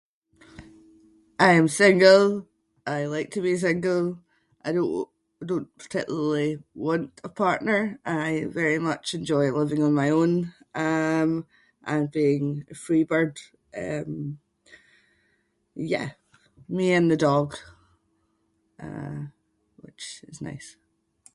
I am single. I like to be single. I don- don’t particularly want a partner. I very much enjoy living on my own um and being a free bird. Um, yeah. Me and the dog uh which is nice.